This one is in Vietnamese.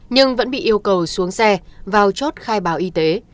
nhưng vẫn bị yêu cầu xuống xe vào chốt khai báo y tế